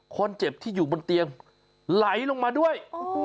คนเจ็บที่อยู่บนเตียงไหลลงมาด้วย